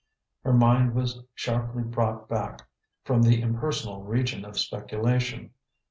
Her mind was sharply brought back from the impersonal region of speculation.